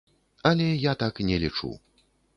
Але я так не лічу.